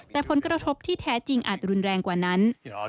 แต่ผลกระทบที่แท้จริงอาจรุนแรงกว่านั้น